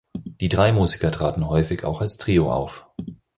Die drei Musiker traten häufig auch als Trio auf.